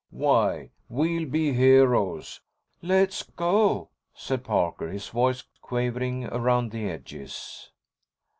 Why, we'll be heroes!" "Let's go," said Parker, his voice quavering around the edges.